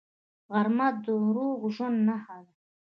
غرمه د روغ ژوند نښه ده